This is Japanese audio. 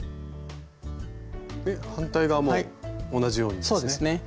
で反対側も同じようにですね。